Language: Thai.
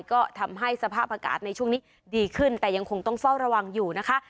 ก็ทำให้สภาพอากาศในช่วงนี้ดีขึ้นแต่ยังคงต้องเฝ้าระวังอยู่นะคะ